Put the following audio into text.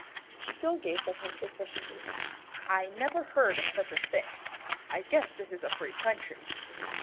She still gazed at him suspiciously. "I never heard of such a thing. I guess this is a free country."